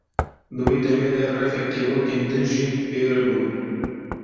Di wê demê de refek kevokên din jî pê re bûn.